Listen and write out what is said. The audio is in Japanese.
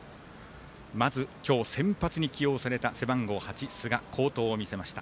まず、今日先発に起用された背番号８の寿賀好投を見せました。